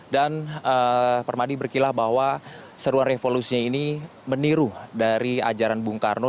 dan permadi berkilah bahwa seruan revolusinya ini meniru dari ajaran bung karno